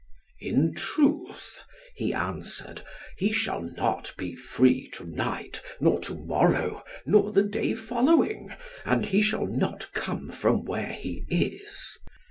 "In truth," he answered, "he shall not be free to night, nor to morrow, nor the day following, and he shall not come from where he is."